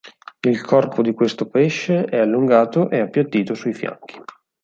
Il corpo di questo pesce è allungato e appiattito sui fianchi.